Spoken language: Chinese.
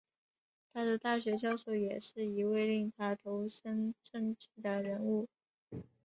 他的大学教授也是一位令他投身政治的人物。